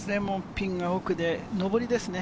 ピンが奥で上りですね。